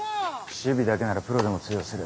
守備だけならプロでも通用する。